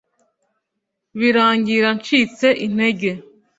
Birangira ncitse intege